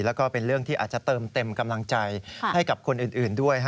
แล้วก็เป็นเรื่องที่อาจจะเติมเต็มกำลังใจให้กับคนอื่นด้วย